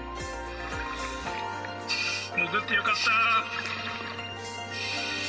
潜ってよかったー。